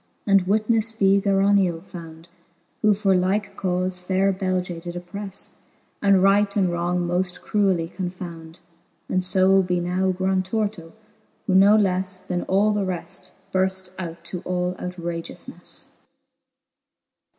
And witnefle be Gerioneo found, Who for like cauie faire Beige did opprefle. And right and wrong moft cruelly confound : And fo be now Grantorto, , who no lefle Then all the reft burft out to all outragioufneffe.